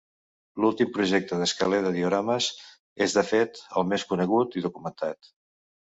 L'últim projecte d'Escaler de diorames, és de fet, el més conegut i documentat.